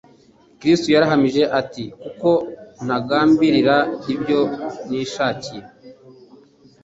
Kristo yarahamije ati, “Kuko ntagambirira ibyo nishakiye,